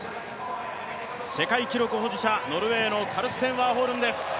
世界記録保持者、ノルウェーのカルステン・ワーホルムです。